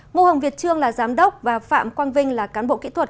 ngô hồng việt trương là giám đốc và phạm quang vinh là cán bộ kỹ thuật